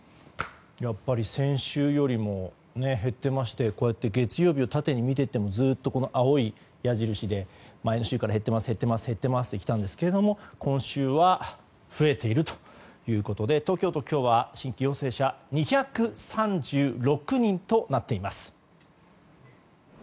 やっぱり先週よりも減っていまして月曜日を縦に見ていっても青い矢印で前の週から減ってきているんですが今週は増えているということで東京都、今日は新規陽性者２３６人となっています。